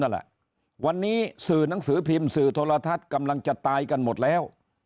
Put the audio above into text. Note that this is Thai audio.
นั่นแหละวันนี้สื่อหนังสือพิมพ์สื่อโทรทัศน์กำลังจะตายกันหมดแล้ว